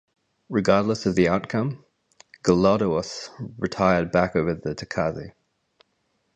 Regardless of the outcome, Gelawdewos retired back over the Takaze.